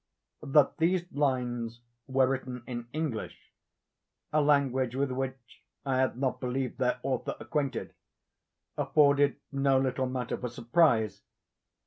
That these lines were written in English—a language with which I had not believed their author acquainted—afforded me little matter for surprise.